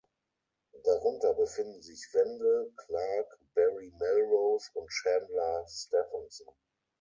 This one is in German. Darunter befinden sich Wendel Clark, Barry Melrose und Chandler Stephenson.